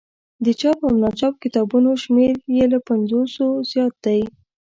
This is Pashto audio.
د چاپ او ناچاپ کتابونو شمېر یې له پنځوسو زیات دی.